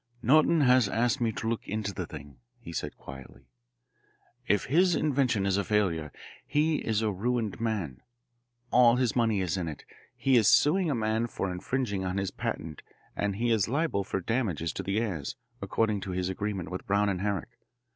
"Norton has asked me to look into the thing," he said quietly. "If his invention is a failure, he is a ruined man. All his money is in it, he is suing a man for infringing on his patent, and he is liable for damages to the heirs, according to his agreement with Browne and Herrick.